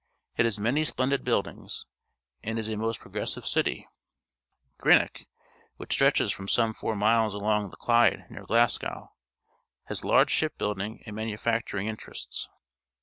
It has many splendid buildings and is a most progressive city. Greenock, which stretches for some four miles along the Ch'de near Glasgow, has large ship building and manu facturing interests.